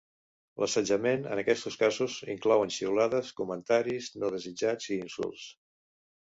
L'assetjament en aquests casos inclouen xiulades, comentaris no desitjats i insults.